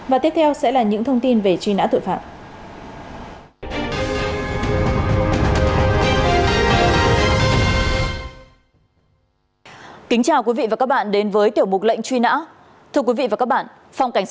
và tiếp theo sẽ là những thông tin về truy nã tội phạm